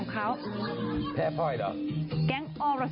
สวัสดีครับ